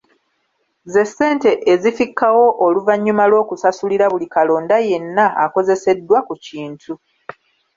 Ze ssente ezifikkawo oluvannyuma lw’okusasulira buli kalonda yenna akozeseddwa ku kintu.